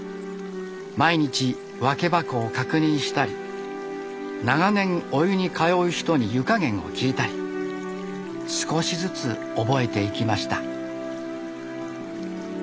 毎日分け箱を確認したり長年お湯に通う人に湯加減を聞いたり少しずつ覚えていきました。